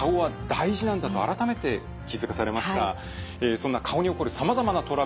そんな顔に起こるさまざまなトラブル